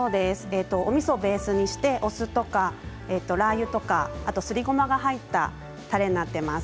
みそをベースにしてお酢とかラー油とかすりごまが入ったたれになっています。